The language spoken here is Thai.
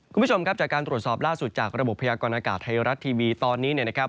คุณผู้ชมครับจากการตรวจสอบล่าสุดจากระบบพยากรณากาศไทยรัฐทีวีตอนนี้เนี่ยนะครับ